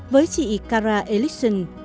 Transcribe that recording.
với chị kara ellison